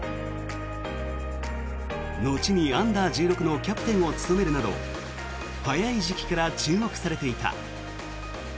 後にＵ−１６のキャプテンを務めるなど早い時期から注目されていた。